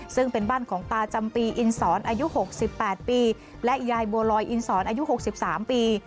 ซึ่งเป็นบ้านของตาจำปีอินสอนอายุ๖๘ปีและยายบัวลอยอินสอนอายุ๖๓ปี